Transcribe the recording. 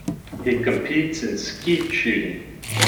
He competes in skeet shooting.